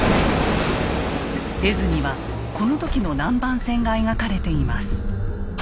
絵図にはこの時の南蛮船が描かれています。